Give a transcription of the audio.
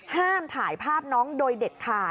ห้ามถ่ายภาพน้องโดยเด็ดขาด